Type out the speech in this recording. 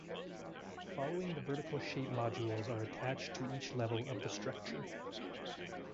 Following the vertical shape modules are attached to each level of the structure.